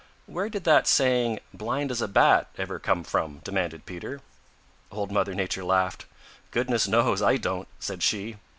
"Where did that saying 'blind as a Bat' ever come from?" demanded Peter. Old Mother Nature laughed. "Goodness knows; I don't," said she.